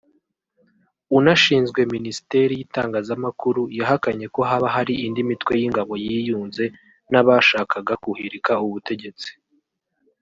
unashinzwe Ministeri y’itangazamakuru yahakanye ko haba hari indi mitwe y’ingabo yiyunze n’abashakaga guhirika ubutegetsi